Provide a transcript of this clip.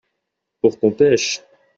pour qu'on pêche.